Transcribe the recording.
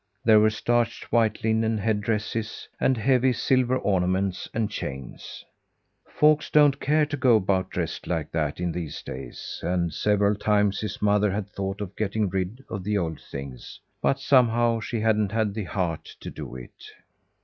There were starched white linen head dresses, and heavy silver ornaments and chains. Folks don't care to go about dressed like that in these days, and several times his mother had thought of getting rid of the old things; but somehow, she hadn't had the heart to do it.